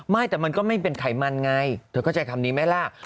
ไม่แต่มันก็ไม่เป็นไขมันไงเธอเข้าใจคำนี้ไหมล่ะ